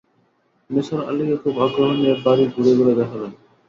নিসার আলিকে খুব আগ্রহ নিয়ে বাড়ি ঘুরে-ঘুরে দেখালেন।